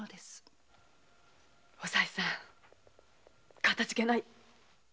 おさいさんかたじけない。